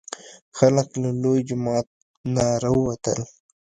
خلک له لوی جومات نه راوتل.